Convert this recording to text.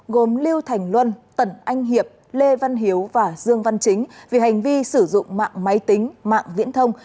gồm lưu thành luân tần anh hiệp lê văn hiếu và dương văn chính vì hành vi sử dụng mạng máy tính mạng viễn thông